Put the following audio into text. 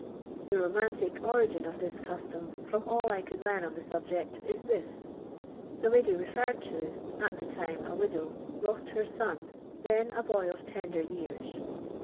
The romantic origin of this custom, firom all I could learu on the subject, is this :— The lady referred to, at the time a widow, lost her son, then a boy of tender years.